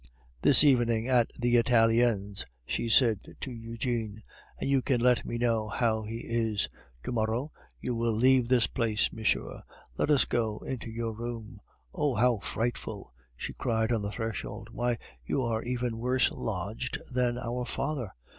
"This evening at the Italiens," she said to Eugene, "and you can let me know how he is. To morrow you will leave this place, monsieur. Let us go into your room. Oh! how frightful!" she cried on the threshold. "Why, you are even worse lodged than our father.